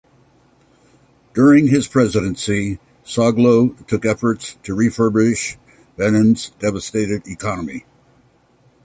During his presidency, Soglo took efforts to refurbish Benin's devastated economy.